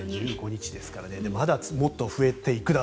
１５日ですからでももっと増えていくと